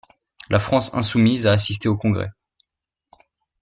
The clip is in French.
La France insoumise a assisté au congrès.